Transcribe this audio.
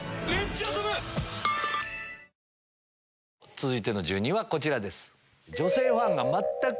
続いての住人はこちらです。